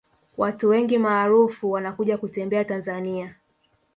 watu wengi maarufu wanakuja kutembea tanzania